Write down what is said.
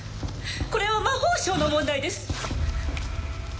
これは魔法省の問題です